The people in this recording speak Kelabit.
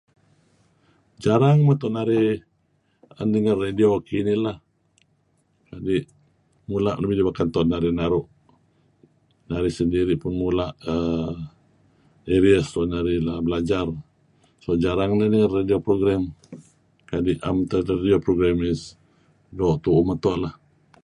Jarang meto' narih ninger radio kinih lah kadi' mula' nuk midih beken tu'en narih naru' . Narih sendiri' pun mula' err meto' areas tu'en narih belajar so jarang neh ninger radio program. kadi' am teh radio program dih doo' tu'uh meto' lah.